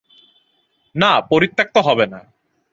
না, পরিত্যাক্ত হবে না!